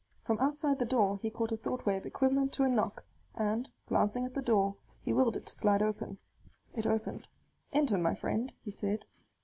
From outside the door he caught a thought wave equivalent to a knock, and, glancing at the door, he willed it to slide open. It opened. "Enter, my friend," he said.